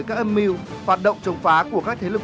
các âm mưu hoạt động chống phá của các thế lực